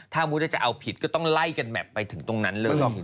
ถ้ามุติว่าจะเอาผิดก็ต้องไล่กันแบบไปถึงตรงนั้นเลย